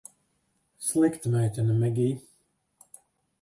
Slikta meitene, Megij.